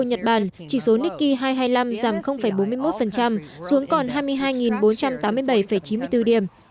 nhật bản chỉ số nikkei hai trăm hai mươi năm giảm bốn mươi một xuống còn hai mươi hai bốn trăm tám mươi bảy chín mươi bốn điểm